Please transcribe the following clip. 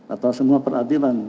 atau semua peradilan